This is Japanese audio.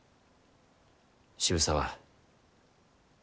渋沢